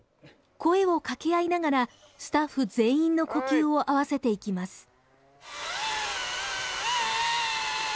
声を掛け合いながらスタッフ全員の呼吸を合わせていきます。